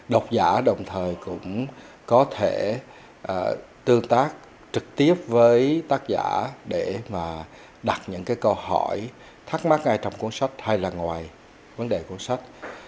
đọc giả đồng thời cũng có thể tương tác trực tiếp với tác giả để mà đặt những cái câu hỏi thắc mắc ai trong cuốn sách hay là ngoài vấn đề cuốn sách